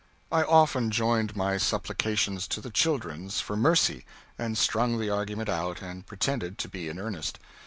I often joined my supplications to the children's for mercy, and strung the argument out and pretended to be in earnest.